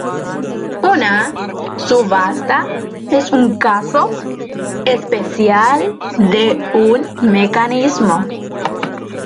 Una subasta es un caso especial de un mecanismo.